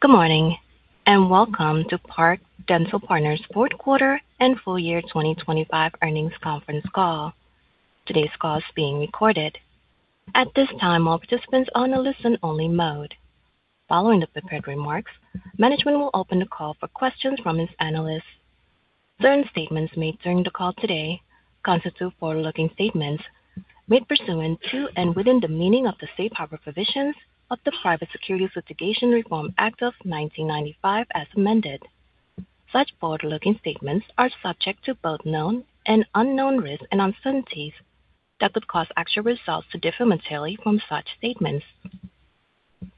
Good morning, welcome to Park Dental Partners' 4th quarter and full year 2025 earnings conference call. Today's call is being recorded. At this time, all participants are on a listen-only mode. Following the prepared remarks, management will open the call for questions from its analysts. Certain statements made during the call today constitute forward-looking statements made pursuant to and within the meaning of the safe harbor provisions of the Private Securities Litigation Reform Act of 1995, as amended. Such forward-looking statements are subject to both known and unknown risks and uncertainties that could cause actual results to differ materially from such statements.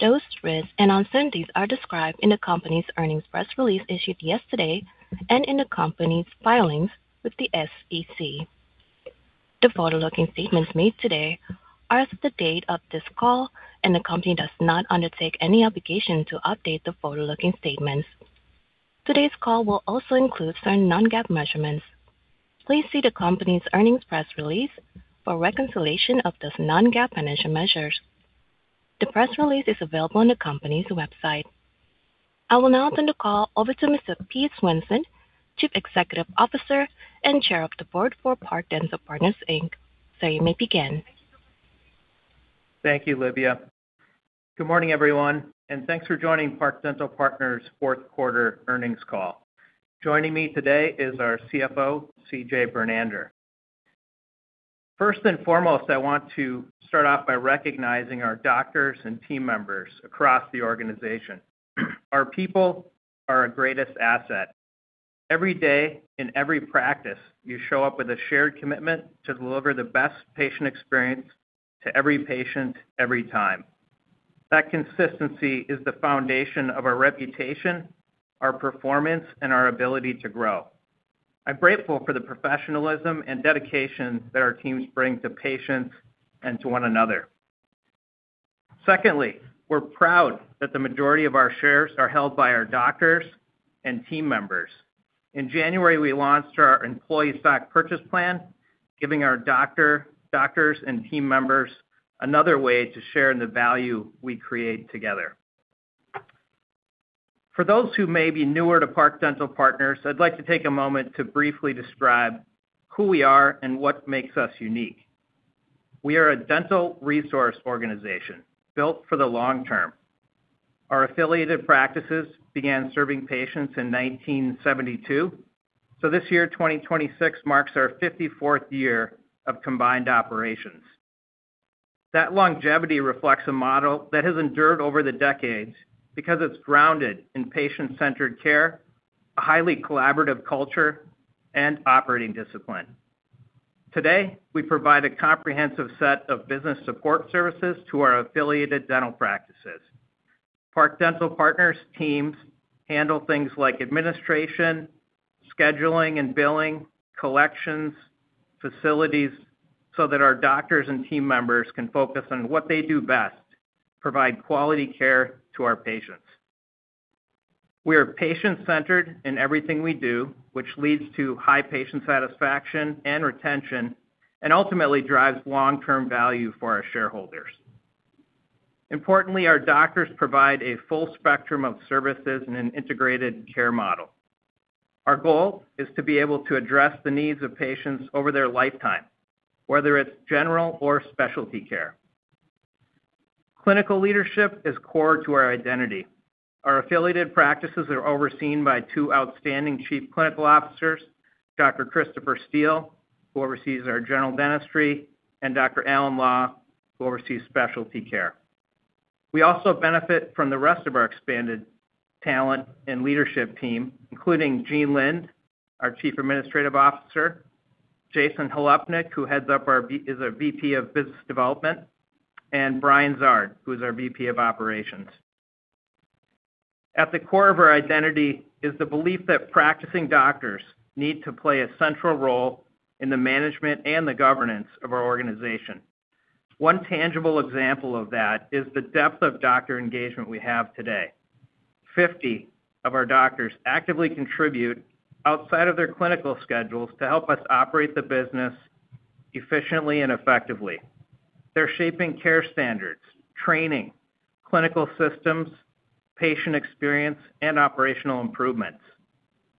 Those risks and uncertainties are described in the company's earnings press release issued yesterday and in the company's filings with the SEC. The forward-looking statements made today are as of the date of this call, and the company does not undertake any obligation to update the forward-looking statements. Today's call will also include certain non-GAAP measurements. Please see the company's earnings press release for a reconciliation of those non-GAAP financial measures. The press release is available on the company's website. I will now turn the call over to Mr. Pete Swenson, Chief Executive Officer and Chair of the Board for Park Dental Partners, Inc. Sir, you may begin. Thank you, Livia. Good morning, everyone, thanks for joining Park Dental Partners' fourth quarter earnings call. Joining me today is our CFO, CJ Bernander. First and foremost, I want to start off by recognizing our doctors and team members across the organization. Our people are our greatest asset. Every day, in every practice, you show up with a shared commitment to deliver the best patient experience to every patient, every time. That consistency is the foundation of our reputation, our performance, and our ability to grow. I'm grateful for the professionalism and dedication that our teams bring to patients and to one another. Secondly, we're proud that the majority of our shares are held by our doctors and team members. In January, we launched our Employee Stock Purchase Plan, giving our doctors and team members another way to share in the value we create together. For those who may be newer to Park Dental Partners, I'd like to take a moment to briefly describe who we are and what makes us unique. We are a dental resource organization built for the long term. Our affiliated practices began serving patients in 1972, so this year, 2026, marks our 54th year of combined operations. That longevity reflects a model that has endured over the decades because it's grounded in patient-centered care, a highly collaborative culture, and operating discipline. Today, we provide a comprehensive set of business support services to our affiliated dental practices. Park Dental Partners' teams handle things like administration, scheduling and billing, collections, facilities, so that our doctors and team members can focus on what they do best: provide quality care to our patients. We are patient-centered in everything we do, which leads to high patient satisfaction and retention, and ultimately drives long-term value for our shareholders. Importantly, our doctors provide a full spectrum of services in an integrated care model. Our goal is to be able to address the needs of patients over their lifetime, whether it's general or specialty care. Clinical leadership is core to our identity. Our affiliated practices are overseen by two outstanding chief clinical officers, Dr. Christopher Steele, who oversees our general dentistry, and Dr. Alan Law, who oversees specialty care. We also benefit from the rest of our expanded talent and leadership team, including Jean Lind, our Chief Administrative Officer, Jason Halupnick, who is our VP of Business Development, and Brian Zard, who is our VP of Operations. At the core of our identity is the belief that practicing doctors need to play a central role in the management and the governance of our organization. One tangible example of that is the depth of doctor engagement we have today. 50 of our doctors actively contribute outside of their clinical schedules to help us operate the business efficiently and effectively. They're shaping care standards, training, clinical systems, patient experience, and operational improvements.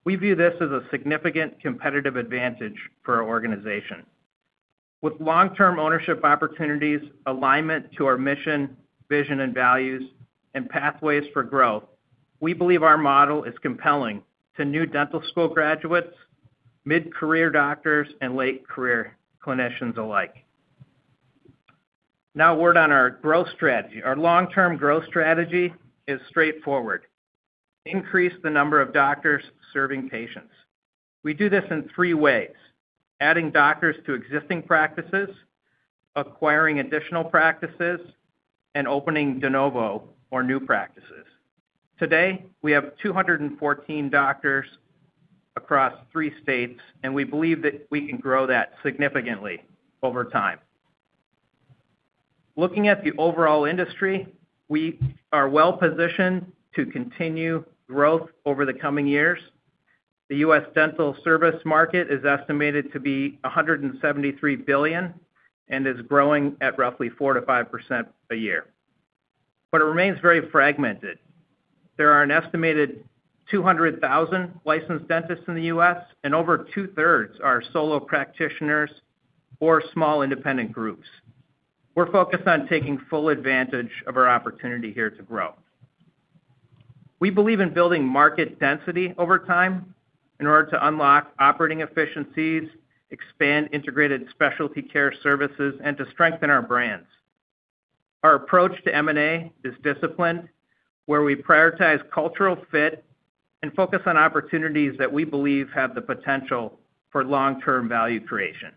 We view this as a significant competitive advantage for our organization. With long-term ownership opportunities, alignment to our mission, vision, and values, and pathways for growth, we believe our model is compelling to new dental school graduates, mid-career doctors, and late-career clinicians alike. A word on our growth strategy. Our long-term growth strategy is straightforward: increase the number of doctors serving patients. We do this in three ways: adding doctors to existing practices, acquiring additional practices, and opening de novo, or new practices. Today, we have 214 doctors across three states. We believe that we can grow that significantly over time. Looking at the overall industry, we are well-positioned to continue growth over the coming years. The U.S. dental service market is estimated to be $173 billion and is growing at roughly 4%-5% a year. It remains very fragmented. There are an estimated 200,000 licensed dentists in the U.S., and over 2/3 are solo practitioners or small independent groups. We're focused on taking full advantage of our opportunity here to grow. We believe in building market density over time in order to unlock operating efficiencies, expand integrated specialty care services, and to strengthen our brands. Our approach to M&A is disciplined, where we prioritize cultural fit and focus on opportunities that we believe have the potential for long-term value creation.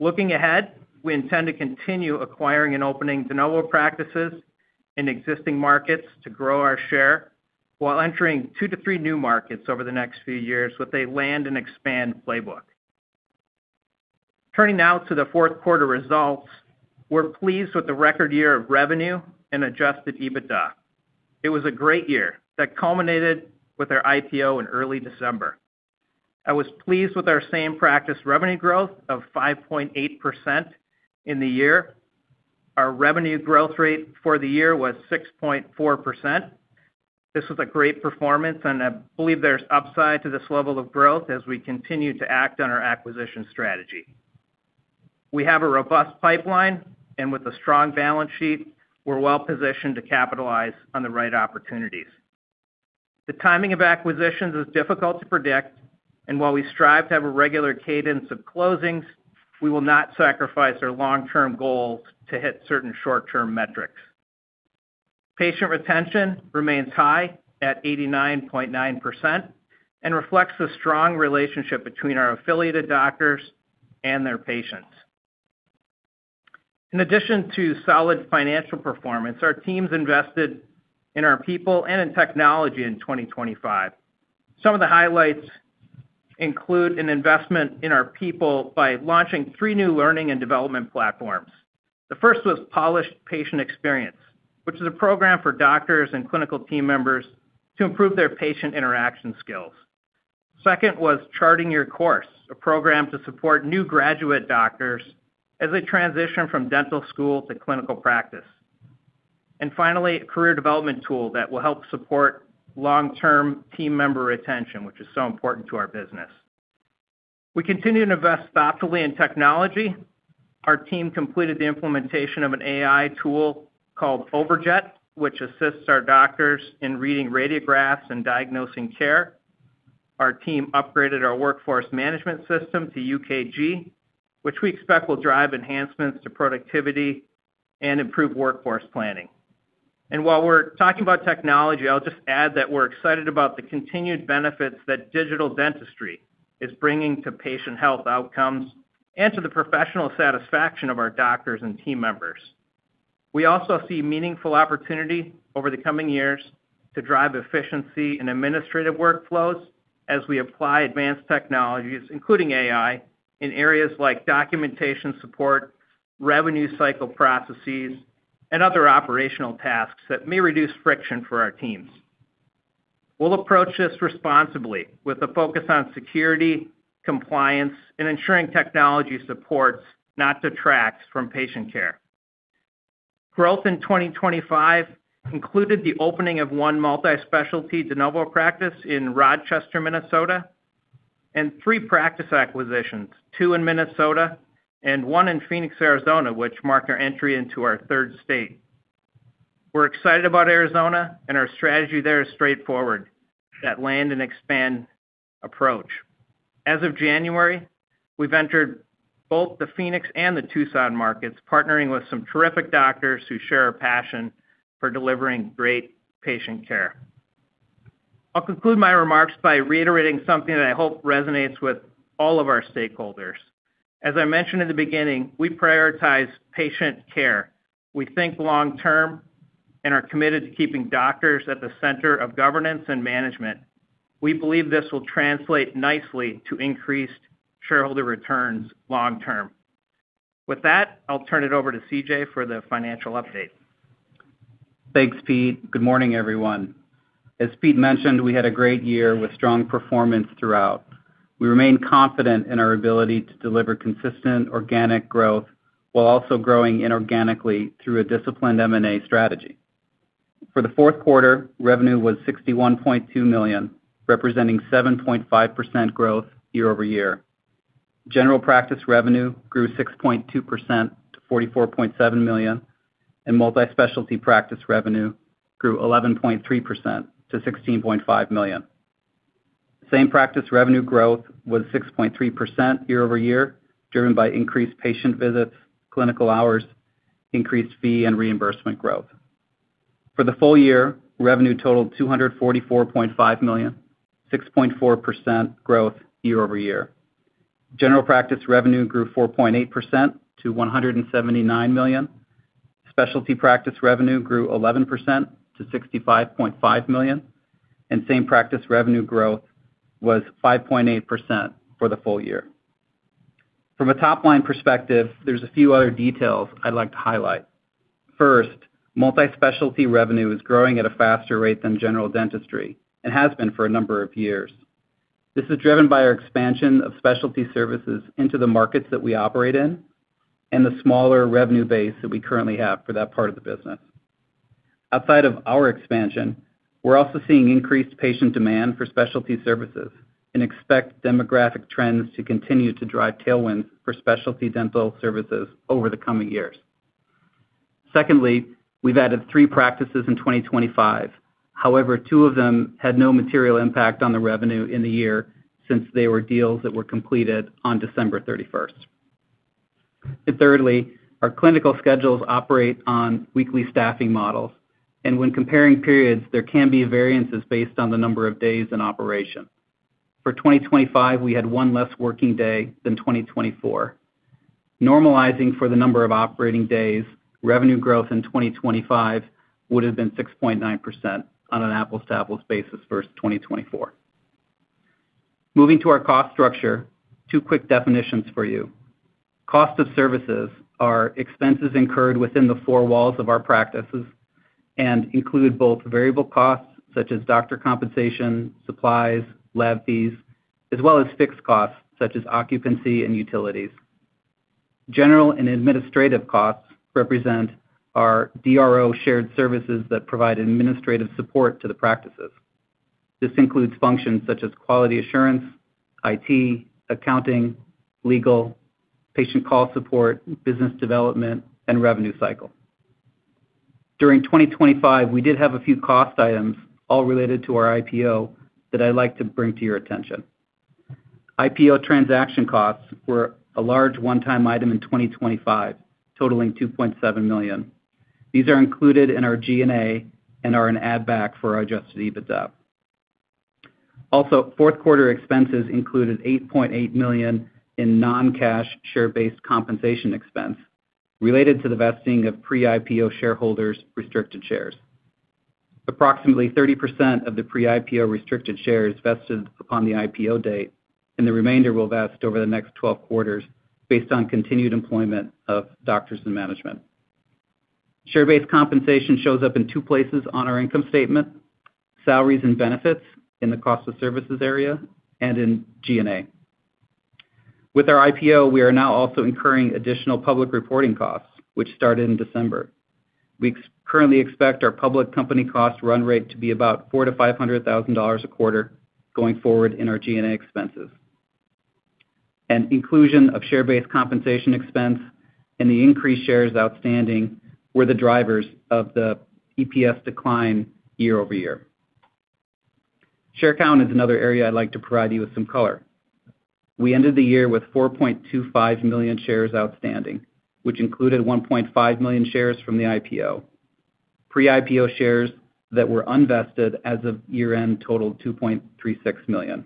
Looking ahead, we intend to continue acquiring and opening de novo practices in existing markets to grow our share, while entering 2-3 new markets over the next few years with a land and expand playbook. Turning now to the fourth quarter results, we're pleased with the record year of revenue and adjusted EBITDA. It was a great year that culminated with our IPO in early December. I was pleased with our same-practice revenue growth of 5.8% in the year. Our revenue growth rate for the year was 6.4%. This was a great performance, and I believe there's upside to this level of growth as we continue to act on our acquisition strategy. We have a robust pipeline, and with a strong balance sheet, we're well positioned to capitalize on the right opportunities. The timing of acquisitions is difficult to predict, and while we strive to have a regular cadence of closings, we will not sacrifice our long-term goals to hit certain short-term metrics. Patient retention remains high at 89.9% and reflects the strong relationship between our affiliated doctors and their patients. In addition to solid financial performance, our teams invested in our people and in technology in 2025. Some of the highlights include an investment in our people by launching three new learning and development platforms. The first was Polished Patient Experience, which is a program for doctors and clinical team members to improve their patient interaction skills. Second was Charting Your Course, a program to support new graduate doctors as they transition from dental school to clinical practice. Finally, a career development tool that will help support long-term team member retention, which is so important to our business. We continue to invest thoughtfully in technology. Our team completed the implementation of an AI tool called Overjet, which assists our doctors in reading radiographs and diagnosing care. Our team upgraded our workforce management system to UKG, which we expect will drive enhancements to productivity and improve workforce planning. While we're talking about technology, I'll just add that we're excited about the continued benefits that digital dentistry is bringing to patient health outcomes and to the professional satisfaction of our doctors and team members. We also see meaningful opportunity over the coming years to drive efficiency in administrative workflows as we apply advanced technologies, including AI, in areas like documentation support, revenue cycle processes, and other operational tasks that may reduce friction for our teams. We'll approach this responsibly with a focus on security, compliance, and ensuring technology supports, not detracts from patient care. Growth in 2025 included the opening of one multi-specialty de novo practice in Rochester, Minnesota, and three practice acquisitions, two in Minnesota and one in Phoenix, Arizona, which marked our entry into our third state. We're excited about Arizona, and our strategy there is straightforward, that land and expand approach. As of January, we've entered both the Phoenix and the Tucson markets, partnering with some terrific doctors who share a passion for delivering great patient care. I'll conclude my remarks by reiterating something that I hope resonates with all of our stakeholders. As I mentioned in the beginning, we prioritize patient care. We think long term and are committed to keeping doctors at the center of governance and management. We believe this will translate nicely to increased shareholder returns long term. With that, I'll turn it over to CJ for the financial update. Thanks, Pete. Good morning, everyone. As Pete mentioned, we had a great year with strong performance throughout. We remain confident in our ability to deliver consistent organic growth while also growing inorganically through a disciplined M&A strategy. For the fourth quarter, revenue was $61.2 million, representing 7.5% growth year-over-year. General practice revenue grew 6.2% to $44.7 million. Multi-specialty practice revenue grew 11.3% to $16.5 million. Same-practice revenue growth was 6.3% year-over-year, driven by increased patient visits, clinical hours, increased fee and reimbursement growth. For the full year, revenue totaled $244.5 million, 6.4% growth year-over-year. General practice revenue grew 4.8% to $179 million. Specialty practice revenue grew 11% to $65.5 million, and same-practice revenue growth was 5.8% for the full year. From a top-line perspective, there's a few other details I'd like to highlight. Multi-specialty revenue is growing at a faster rate than general dentistry, and has been for a number of years. This is driven by our expansion of specialty services into the markets that we operate in, and the smaller revenue base that we currently have for that part of the business. Outside of our expansion, we're also seeing increased patient demand for specialty services and expect demographic trends to continue to drive tailwinds for specialty dental services over the coming years. We've added three practices in 2025. However, two of them had no material impact on the revenue in the year since they were deals that were completed on December 31st. Thirdly, our clinical schedules operate on weekly staffing models, and when comparing periods, there can be variances based on the number of days in operation. For 2025, we had one less working day than 2024. Normalizing for the number of operating days, revenue growth in 2025 would have been 6.9% on an apples-to-apples basis versus 2024. Moving to our cost structure, two quick definitions for you. Cost of services are expenses incurred within the four walls of our practices and include both variable costs, such as doctor compensation, supplies, lab fees, as well as fixed costs, such as occupancy and utilities. General and administrative costs represent our DRO shared services that provide administrative support to the practices. This includes functions such as quality assurance, IT, accounting, legal, patient call support, business development, and revenue cycle. During 2025, we did have a few cost items, all related to our IPO, that I'd like to bring to your attention. IPO transaction costs were a large one-time item in 2025, totaling $2.7 million. These are included in our G&A and are an add-back for our adjusted EBITDA. Also, fourth quarter expenses included $8.8 million in non-cash share-based compensation expense related to the vesting of pre-IPO shareholders' restricted shares. Approximately 30% of the pre-IPO restricted shares vested upon the IPO date, and the remainder will vest over the next 12 quarters based on continued employment of doctors and management. Share-based compensation shows up in two places on our income statement, salaries and benefits in the cost of services area and in G&A. With our IPO, we are now also incurring additional public reporting costs, which started in December. We currently expect our public company cost run rate to be about $400,000-$500,000 a quarter going forward in our G&A expenses. Inclusion of share-based compensation expense and the increased shares outstanding were the drivers of the EPS decline year-over-year. Share count is another area I'd like to provide you with some color. We ended the year with 4.25 million shares outstanding, which included 1.5 million shares from the IPO. Pre-IPO shares that were unvested as of year-end totaled 2.36 million.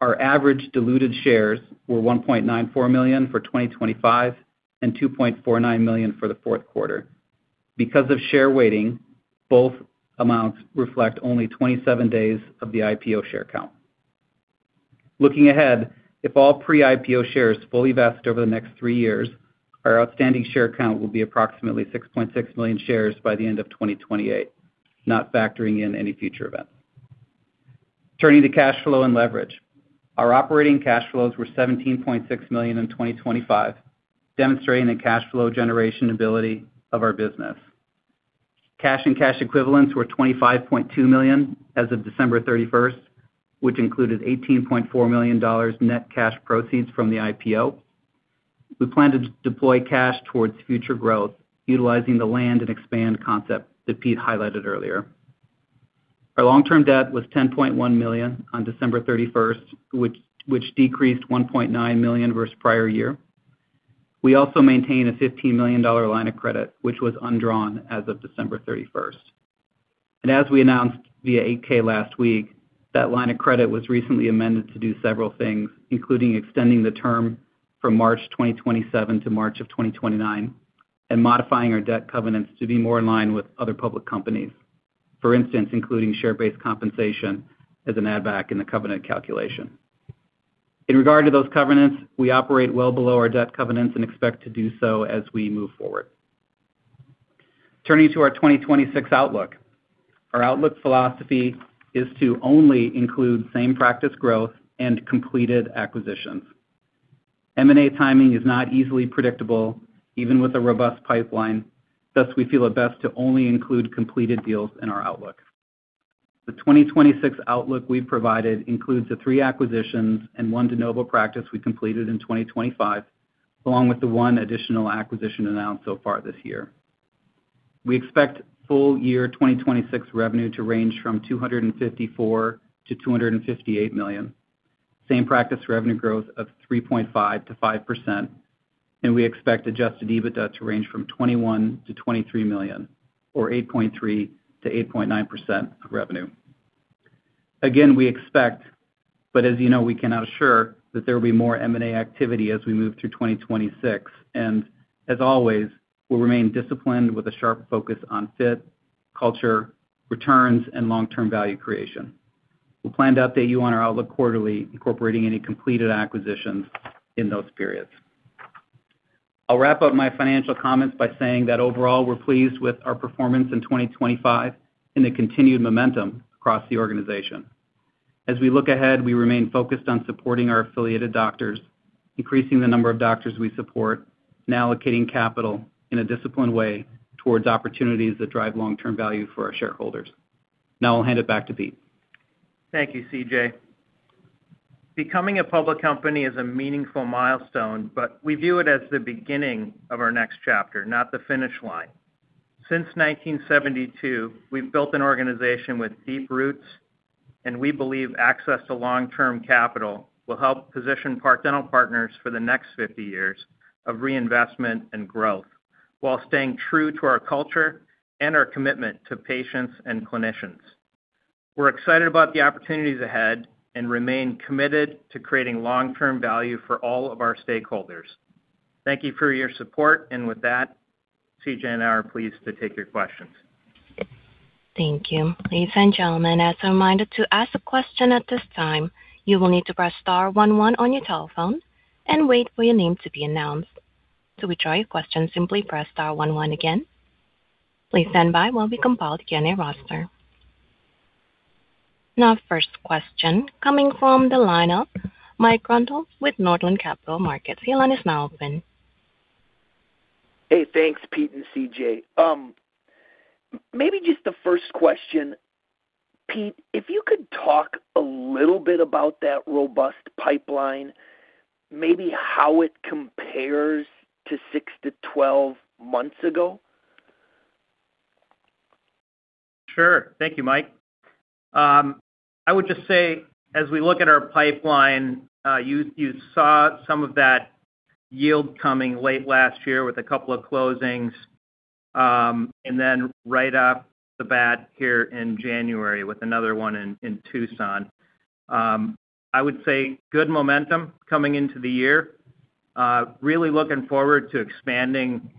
Our average diluted shares were 1.94 million for 2025 and 2.49 million for the fourth quarter. Because of share weighting, both amounts reflect only 27 days of the IPO share count. Looking ahead, if all pre-IPO shares fully vest over the next three years, our outstanding share count will be approximately 6.6 million shares by the end of 2028, not factoring in any future events. Turning to cash flow and leverage. Our operating cash flows were $17.6 million in 2025, demonstrating the cash flow generation ability of our business. Cash and cash equivalents were $25.2 million as of December 31st, which included $18.4 million net cash proceeds from the IPO. We plan to deploy cash towards future growth, utilizing the land and expand concept that Pete highlighted earlier. Our long-term debt was $10.1 million on December 31st, which decreased $1.9 million versus prior year. We also maintain a $15 million line of credit, which was undrawn as of December 31st. As we announced via 8-K last week, that line of credit was recently amended to do several things, including extending the term from March 2027 to March 2029, and modifying our debt covenants to be more in line with other public companies. For instance, including share-based compensation as an add back in the covenant calculation. In regard to those covenants, we operate well below our debt covenants and expect to do so as we move forward. Turning to our 2026 outlook. Our outlook philosophy is to only include same practice growth and completed acquisitions. M&A timing is not easily predictable, even with a robust pipeline, thus, we feel it best to only include completed deals in our outlook. The 2026 outlook we provided includes the three acquisitions and one de novo practice we completed in 2025, along with the one additional acquisition announced so far this year. We expect full year 2026 revenue to range from $254 million-$258 million, same-practice revenue growth of 3.5%-5%, and we expect adjusted EBITDA to range from $21 million-$23 million, or 8.3%-8.9% of revenue. Again, we expect, but as you know, we cannot assure, that there will be more M&A activity as we move through 2026, and as always, we'll remain disciplined with a sharp focus on fit, culture, returns, and long-term value creation. We'll plan to update you on our outlook quarterly, incorporating any completed acquisitions in those periods. I'll wrap up my financial comments by saying that overall, we're pleased with our performance in 2025 and the continued momentum across the organization. As we look ahead, we remain focused on supporting our affiliated doctors, increasing the number of doctors we support, and allocating capital in a disciplined way towards opportunities that drive long-term value for our shareholders. I'll hand it back to Pete. Thank you, CJ. Becoming a public company is a meaningful milestone, but we view it as the beginning of our next chapter, not the finish line. Since 1972, we've built an organization with deep roots, and we believe access to long-term capital will help position Park Dental Partners for the next 50 years of reinvestment and growth, while staying true to our culture and our commitment to patients and clinicians. We're excited about the opportunities ahead and remain committed to creating long-term value for all of our stakeholders. Thank you for your support, and with that, CJ and I are pleased to take your questions. Thank you. Ladies and gentlemen, as a reminder, to ask a question at this time, you will need to press star one one on your telephone and wait for your name to be announced. To withdraw your question, simply press star one one again. Please stand by while we compile the Q&A roster. First question coming from the line of Mike Grondahl with Northland Capital Markets. Your line is now open. Hey, thanks, Pete and CJ. Maybe just the first question, Pete, if you could talk a little bit about that robust pipeline, maybe how it compares to six to 12 months ago? Sure. Thank you, Mike. I would just say, as we look at our pipeline, you saw some of that yield coming late last year with a couple of closings, and then right off the bat here in January with another one in Tucson. I would say good momentum coming into the year. Really looking forward to expanding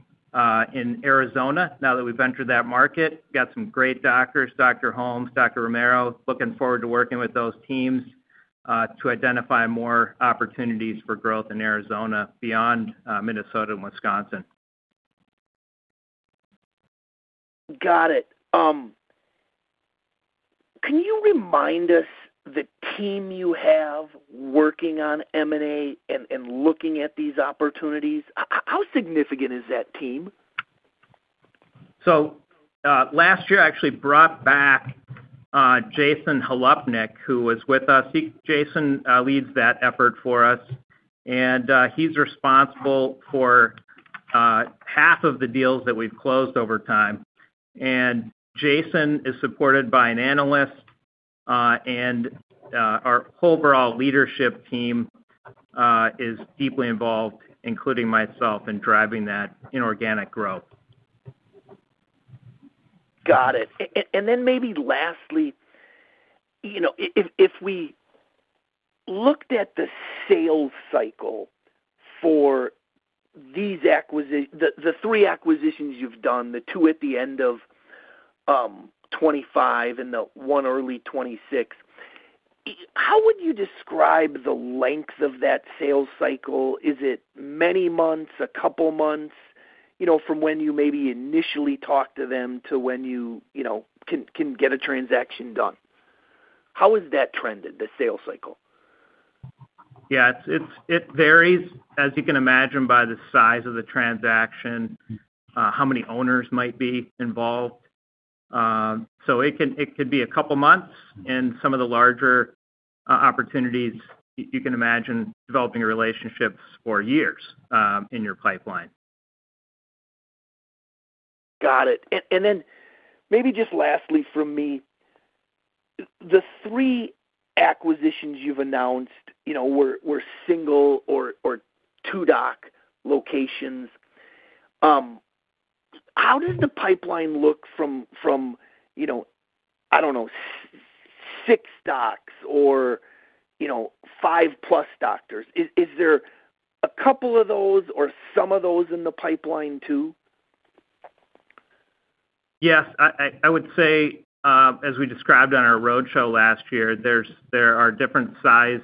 in Arizona now that we've entered that market. Got some great doctors, Dr. Holmes, Dr. Romero, looking forward to working with those teams, to identify more opportunities for growth in Arizona beyond Minnesota and Wisconsin. Got it. Can you remind us the team you have working on M&A and looking at these opportunities, how significant is that team? Last year, I actually brought back, Jason Halupnick, who was with us. Jason leads that effort for us, and he's responsible for half of the deals that we've closed over time. Jason is supported by an analyst, and our overall leadership team is deeply involved, including myself, in driving that inorganic growth. Got it. Maybe lastly, you know, if we looked at the sales cycle for these the three acquisitions you've done, the two at the end of 2025 and the one early 2026, how would you describe the length of that sales cycle? Is it many months, a couple months, you know, from when you maybe initially talk to them to when you know, can get a transaction done? How has that trended, the sales cycle? Yeah, it varies, as you can imagine, by the size of the transaction, how many owners might be involved. It could be a couple months, and some of the larger opportunities, you can imagine developing relationships for years, in your pipeline. Got it. Maybe just lastly from me, the three acquisitions you've announced, you know, were single or two doc locations. How does the pipeline look from, you know, I don't know, six docs or, you know, 5+ doctors? Is there a couple of those or some of those in the pipeline too? Yes, I would say, as we described on our roadshow last year, there are different size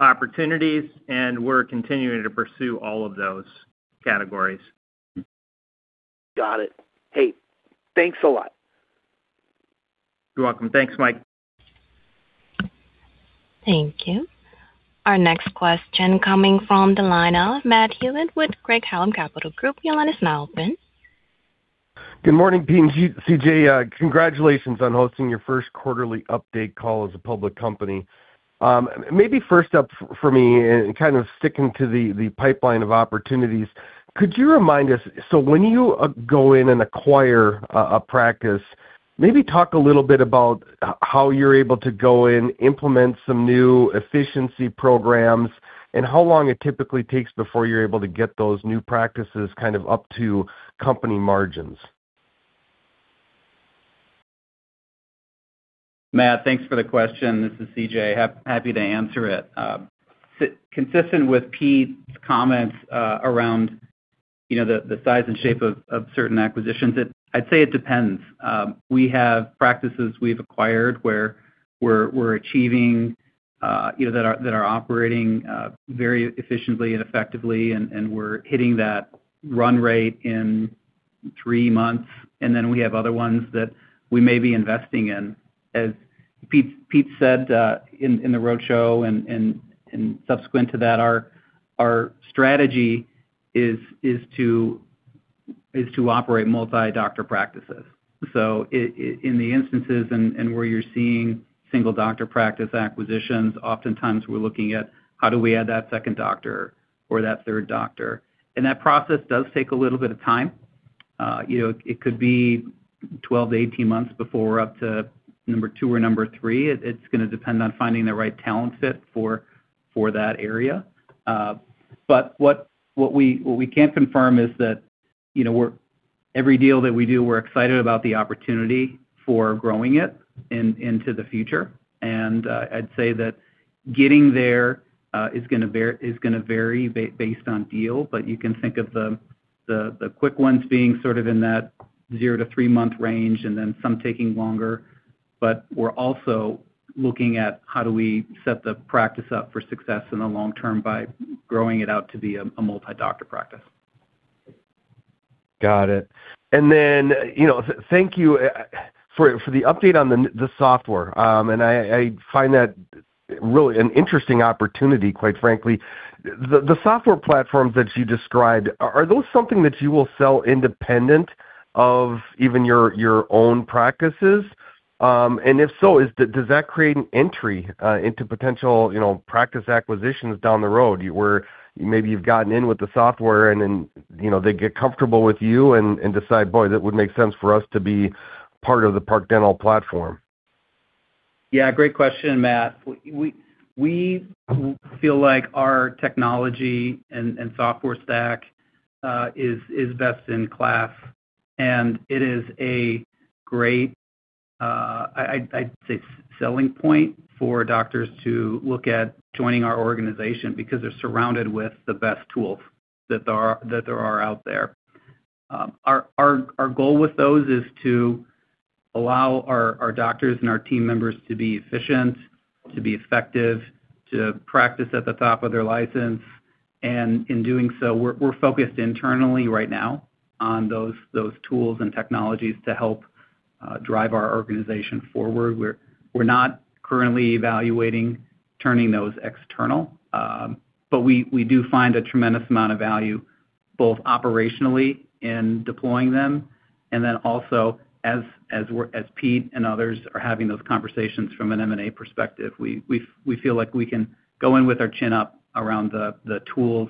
opportunities. We're continuing to pursue all of those categories. Got it. Hey, thanks a lot. You're welcome. Thanks, Mike. Thank you. Our next question coming from the line of Matt Hewitt with Craig-Hallum Capital Group. Your line is now open. Good morning, Pete and CJ. Congratulations on hosting your first quarterly update call as a public company. Maybe first up for me, kind of sticking to the pipeline of opportunities, could you remind us? When you go in and acquire a practice, maybe talk a little bit about how you're able to go in, implement some new efficiency programs, and how long it typically takes before you're able to get those new practices kind of up to company margins? Matt, thanks for the question. This is CJ. happy to answer it. consistent with Pete's comments. You know, the size and shape of certain acquisitions, I'd say it depends. We have practices we've acquired where we're achieving, you know, that are operating very efficiently and effectively, and we're hitting that run rate in three months. Then we have other ones that we may be investing in. As Pete said, in the roadshow and subsequent to that, our strategy is to operate multi-doctor practices. In the instances and where you're seeing single doctor practice acquisitions, oftentimes we're looking at how do we add that second doctor or that third doctor? That process does take a little bit of time. You know, it could be 12 to 18 months before we're up to number two or number three. It's gonna depend on finding the right talent fit for that area. What we can confirm is that, you know, every deal that we do, we're excited about the opportunity for growing it into the future. I'd say that getting there, is gonna vary based on deal, but you can think of the quick ones being sort of in that zero to three-month range, and then some taking longer. We're also looking at how do we set the practice up for success in the long term by growing it out to be a multi-doctor practice. Got it. you know, thank you for the update on the software. I find that really an interesting opportunity, quite frankly. The software platforms that you described, are those something that you will sell independent of even your own practices? if so, does that create an entry into potential, you know, practice acquisitions down the road, where maybe you've gotten in with the software and then, you know, they get comfortable with you and decide, "Boy, that would make sense for us to be part of the Park Dental platform? Great question, Matt. We feel like our technology and software stack is best in class, and it is a great, I'd say, selling point for doctors to look at joining our organization, because they're surrounded with the best tools that there are out there. Our goal with those is to allow our doctors and our team members to be efficient, to be effective, to practice at the top of their license, and in doing so, we're focused internally right now on those tools and technologies to help drive our organization forward. We're not currently evaluating turning those external. We do find a tremendous amount of value, both operationally in deploying them, and then also, as Pete and others are having those conversations from an M&A perspective. We feel like we can go in with our chin up around the tools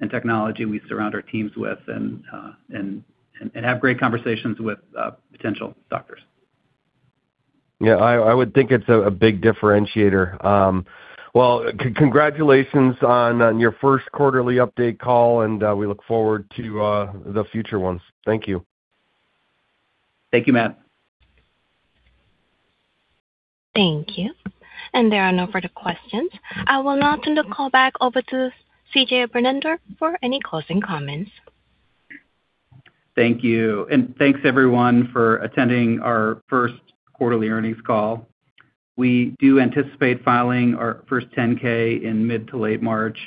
and technology we surround our teams with, and have great conversations with potential doctors. Yeah, I would think it's a big differentiator. Well, congratulations on your first quarterly update call, and we look forward to the future ones. Thank you. Thank you, Matt. Thank you. There are no further questions. I will now turn the call back over to CJ Bernander for any closing comments. Thank you. Thanks, everyone, for attending our first quarterly earnings call. We do anticipate filing our first 10-K in mid to late March.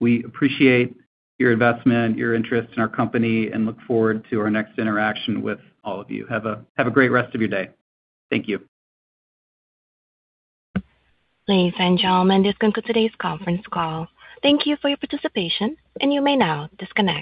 We appreciate your investment, your interest in our company, and look forward to our next interaction with all of you. Have a great rest of your day. Thank you. Ladies and gentlemen, this concludes today's conference call. Thank you for your participation, and you may now disconnect.